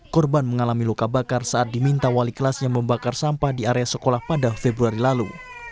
korban mengalami luka bakar saat diminta wali kelasnya membakar sampah di area sekolah pada februari lalu